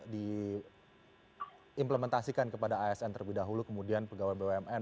diimplementasikan kepada asn terlebih dahulu kemudian pegawai bumn